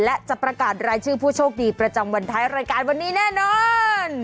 และจะประกาศรายชื่อผู้โชคดีประจำวันท้ายรายการวันนี้แน่นอน